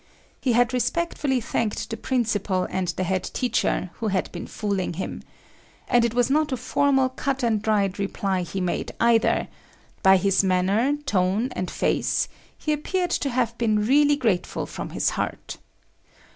He had respectfully thanked the principal and the head teacher who had been fooling him. And it was not a formal, cut and dried reply he made, either; by his manner, tone and face, he appeared to have been really grateful from his heart.